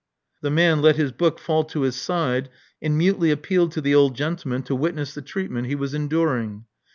The man let his book fall to his side, and mutely appealed to the old gentleman to witness the treat ment he was enduring.